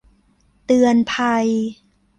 เตือนภัย